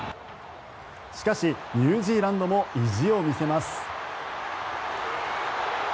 しかし、ニュージーランドも意地を見せます。